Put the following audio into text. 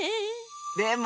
でも。